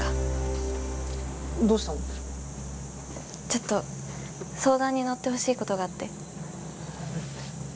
ちょっと相談に乗ってほしいことがあって。